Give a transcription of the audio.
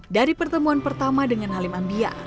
dari pertemuan pertama dengan halim ambia